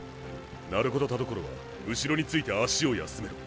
鳴子と田所は後ろについて足を休めろ。